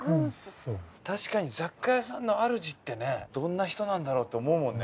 確かに雑貨屋さんの主ってねどんな人なんだろうって思うもんね。